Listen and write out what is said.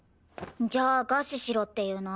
じゃあ餓死しろって言うの？